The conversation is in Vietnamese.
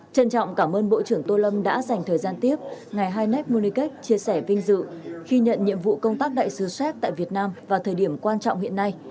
trân trọng cảm ơn bộ trưởng tô lâm đã dành thời gian tiếp ngày haiv monikech chia sẻ vinh dự khi nhận nhiệm vụ công tác đại sứ séc tại việt nam vào thời điểm quan trọng hiện nay